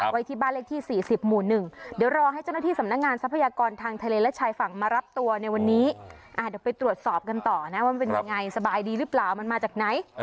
ว่ามันเป็นยังไงสบายดีหรือเปล่ามันมาจากไหน